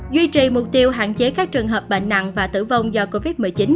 duy trì mục tiêu hạn chế các trường hợp bệnh nặng và tử vong do covid một mươi chín